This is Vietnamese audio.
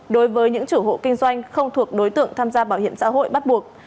đối với những chủ hộ kinh doanh không thuộc đối tượng tham gia bảo hiểm xã hội bắt buộc